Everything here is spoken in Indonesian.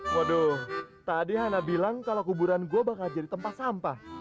waduh tadi hana bilang kalau kuburan gue bakal jadi tempat sampah